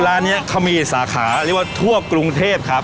ร้านนี้เขามีสาขาเรียกว่าทั่วกรุงเทพครับ